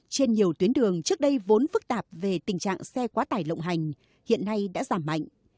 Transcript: trên nhiều tuyến đường trước đây vốn phức tạp về tình trạng xe quá tải lộng hành hiện nay đã giảm mạnh